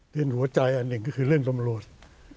เป็นหัวใจอันหนึ่งก็คือเรื่องตำรวจ